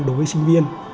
đối với sinh viên